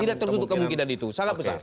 tidak tertutup kemungkinan itu sangat besar